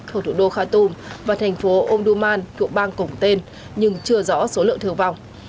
thuộc thủ đô khartoum và thành phố omdurman thủ bang cổng tên nhưng chưa rõ số lượng thừa vọng